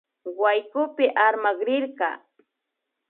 Waykupi armakrirka